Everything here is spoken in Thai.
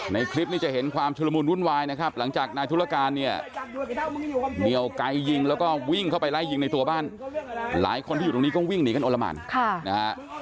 ในคลิปนี้จะเห็นความชุลมุนวุ่นวายนะครับหลังจากนายธุรการเนี่ยเหนียวไกลยิงแล้วก็วิ่งเข้าไปไล่ยิงในตัวบ้านหลายคนที่อยู่ตรงนี้ก็วิ่งหนีกันโอละหมานนะฮะ